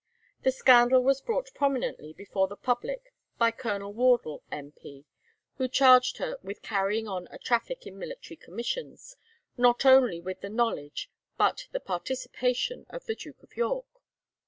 The scandal was brought prominently before the public by Colonel Wardle, M.P., who charged her with carrying on a traffic in military commissions, not only with the knowledge, but the participation, of the Duke of York.